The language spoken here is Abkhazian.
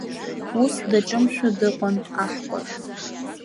Ус даҿымшәа дыҟан аҳкәажә.